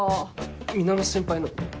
源先輩の？